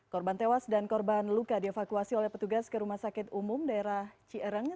korban tewas dan korban luka dievakuasi oleh petugas ke rumah sakit umum daerah cierang